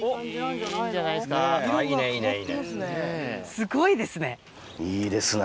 すごいですね。